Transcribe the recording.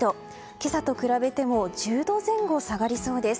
今朝と比べても１０度前後下がりそうです。